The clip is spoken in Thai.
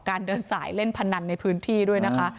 เดินสายเล่นพนันในพื้นที่ด้วยนะคะ